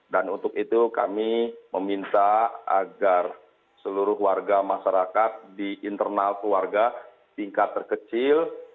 dan untuk itu kami meminta agar seluruh warga masyarakat di internal keluarga tingkat terkecil